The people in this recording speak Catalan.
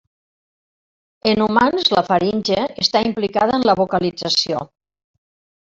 En humans, la faringe està implicada en la vocalització.